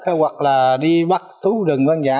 hoặc là đi bắt thú rừng văn giả